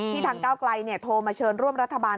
ที่ทางก้าวกลายเนี่ยโทรมาเชิญร่วมรัฐบาล